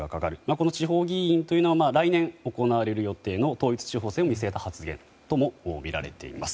この地方議員というのは来年行われる予定の統一地方選を見据えた発言ともみられています。